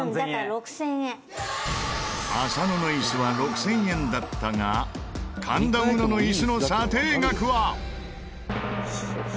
浅野の椅子は６０００円だったが神田うのの椅子の査定額は？